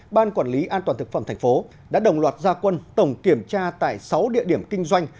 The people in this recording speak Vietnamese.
ban quản lý an toàn thực phẩm thành phố đã đồng loạt gia quân tổng kiểm tra tại sáu địa điểm kinh doanh